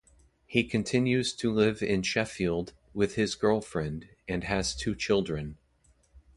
He continues to live in Sheffield with his girlfriend and has two children.